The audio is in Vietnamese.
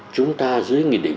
chúng ta dưới nghị định